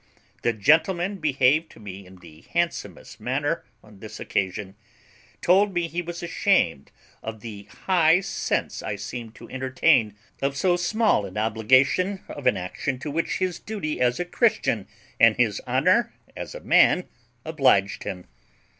The gentleman behaved to me in the handsomest manner on this occasion; told me he was ashamed of the high sense I seemed to entertain of so small an obligation of an action to which his duty as a Christian and his honour as a man obliged him.